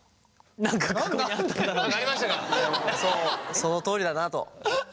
そのとおりだなと。